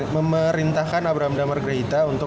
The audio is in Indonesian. memerintahkan abraham ndamargerahita untuk